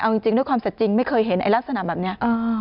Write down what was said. เอาจริงด้วยความสัดจริงไม่เคยเห็นไอ้ลักษณะแบบนี้